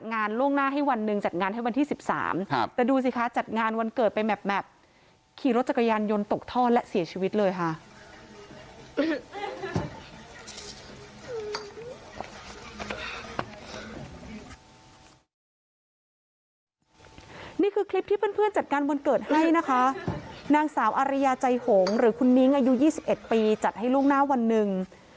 นี่คือคลิปที่เพื่อนจัดงานวันเกิดให้นะคะนางสาวอาริยาใจหงหรือคุณนิ้งอายุ๒๑ปีจัดให้ล่วงหน้าวันหนึ่ง